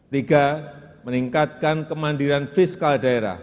tiga meningkatkan kemandiran fiskal daerah